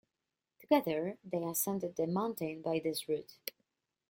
Together, they ascended the mountain by this route.